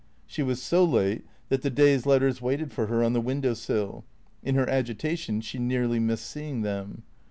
She was so late that the day's letters waited for her on the window sill. In her agitation she nearly missed seeing them.